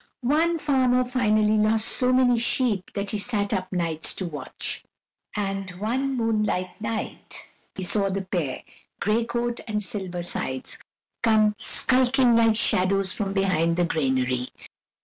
One farmer finally lost so many sheep he sat up nights to watch. And one moonlight night he saw the pair, Gray Coat and Silver Sides, come skulking like shadows from behind the granary.